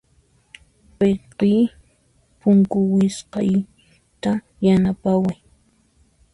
Wayqiy, punku wisq'ayta yanapaway.